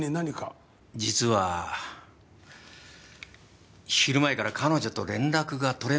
実は昼前から彼女と連絡が取れないんです。